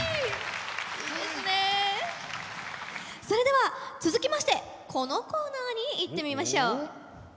それでは続きましてこのコーナーにいってみましょう。